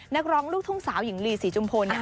นักร้องลูกทุ่งสาวหญิงลีศรีจุมพล